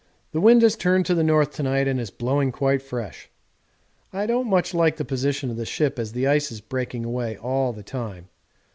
The wind has turned to the north to night and is blowing quite fresh. I don't much like the position of the ship as the ice is breaking away all the time.